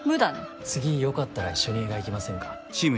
次、よかったら一緒に映画行きませんか？